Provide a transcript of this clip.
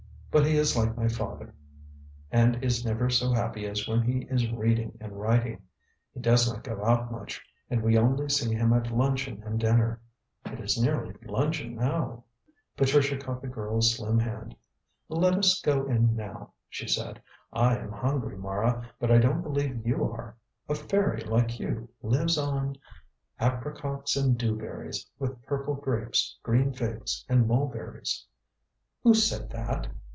But he is like my father, and is never so happy as when he is reading and writing. He does not go out much, and we only see him at luncheon and dinner. It is nearly luncheon now." Patricia caught the girl's slim hand. "Let us go in now," she said. "I am hungry, Mara, but I don't believe you are. A fairy like you, lives on: "'apricocks and dewberries, With purple grapes, green figs, and mulberries.'" "Who said that?"